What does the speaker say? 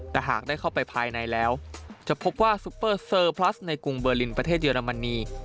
แต่หากได้เข้าไปภายในแล้วจะพบว่าซุปเปอร์เซอร์พลัสในกรุงเบอร์ลินประเทศเยอรมนี